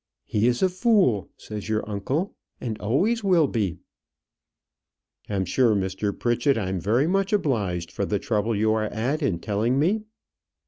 'He is a fool,' says your uncle, 'and always will be.'" "I'm sure, Mr. Pritchett, I'm very much obliged for the trouble you are at in telling me."